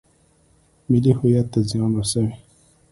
ملي هویت ته زیان رسوي.